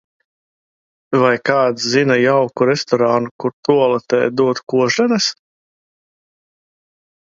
Vai kāds zina jauku restorānu kur, tualetē dod košļenes?